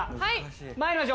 はい。